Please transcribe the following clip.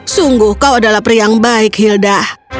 sungguh kau adalah pria yang baik hilda